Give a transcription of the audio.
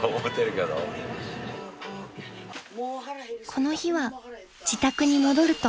［この日は自宅に戻ると］